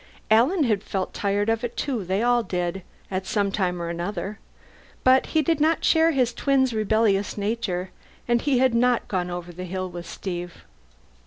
Alan had felt tired of it too they all did, at some time or another but he did not share his twin's rebellious nature, and he had not gone over the hill with Steve.